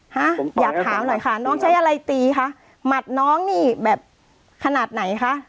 ฮะอยากถามหน่อยค่ะน้องใช้อะไรตีคะหมัดน้องนี่แบบขนาดไหนคะ